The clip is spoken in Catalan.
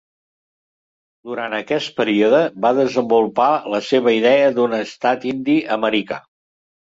Durant aquest període va desenvolupar la seva idea d'un estat indi americà.